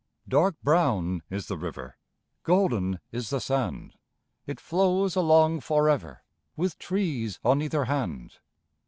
Dark brown is the river, Golden is the sand. It flows along for ever, With trees on either hand.